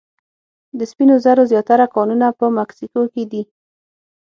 د سپینو زرو زیاتره کانونه په مکسیکو کې دي.